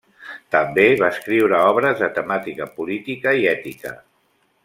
També va escriure obres de temàtica política i ètica.